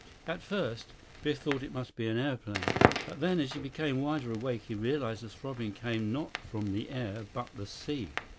At first, Biff thought it must be an airplane. But then, as he became wider awake, he realized the throbbing came not from the air, but the sea.